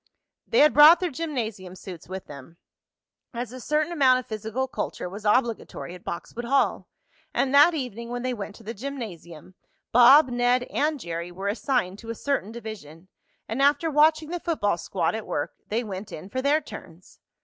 They had brought their gymnasium suits with them, as a certain amount of physical culture was obligatory at Boxwood Hall; and that evening, when they went to the gymnasium, Bob, Ned and Jerry were assigned to a certain division, and after watching the football squad at work, they went in for their turns.